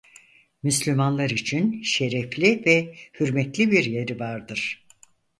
Müslümanlar için şerefli ve hürmetli bir yeri vardır.